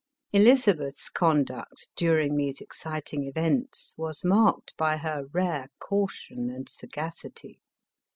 Elizabeth's conduct, during these exciting events, was marked by her rare caution and sagacity.